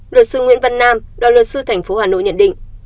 luật sư nguyễn văn nam đoàn luật sư tp hà nội nhận định